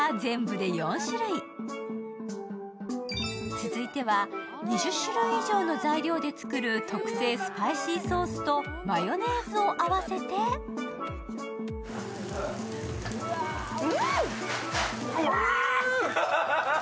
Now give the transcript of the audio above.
続いては、２０種類以上の材料で作る特製スパイシーソースとマヨネーズを合わせてうわー！